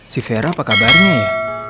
si vera apa kabarnya ya